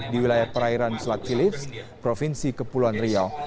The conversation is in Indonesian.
di wilayah perairan selat filips provinsi kepulauan riau